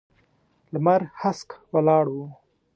لمر هسک ولاړ و.